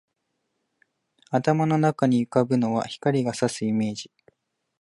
頭の中に浮ぶのは、光が射すイメージ